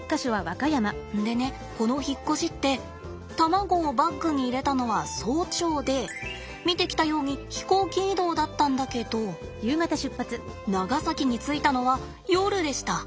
でねこの引っ越しって卵をバッグに入れたのは早朝で見てきたように飛行機移動だったんだけど長崎に着いたのは夜でした。